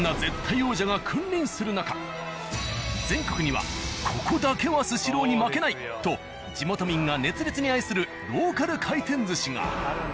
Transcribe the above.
そんな全国にはここだけは「スシロー」に負けないと地元民が熱烈に愛するローカル回転寿司が。